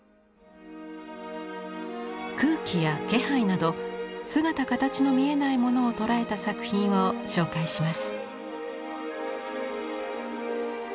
空気や気配など姿形の見えないものを捉えた作品を紹介します。